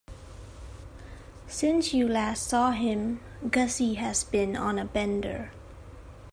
Since you last saw him, Gussie has been on a bender.